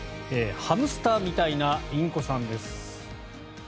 ハムスターみたいなインコさんです。